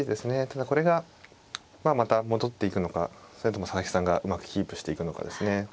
ただこれがまあまた戻っていくのかそれとも佐々木さんがうまくキープしていくのかですね。